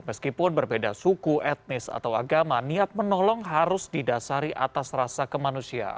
meskipun berbeda suku etnis atau agama niat menolong harus didasari atas rasa kemanusiaan